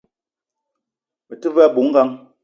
Me te ve a bou ngang